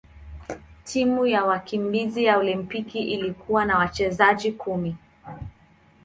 Timu ya wakimbizi ya Olimpiki ilikuwa na wachezaji kumi.